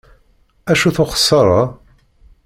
Acu-t uxessar-a?